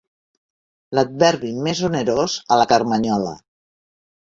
L'adverbi més onerós, a la carmanyola.